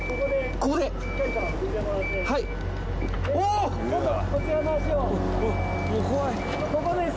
ここです。